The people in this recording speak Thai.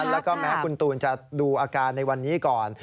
แล้วก็แม้คุณตูนจะดูอาการในวันนี้ก่อน